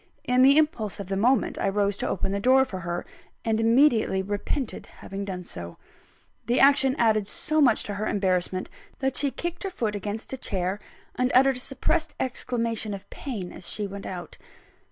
In the impulse of the moment, I rose to open the door for her; and immediately repented having done so. The action added so much to her embarrassment that she kicked her foot against a chair, and uttered a suppressed exclamation of pain as she went out.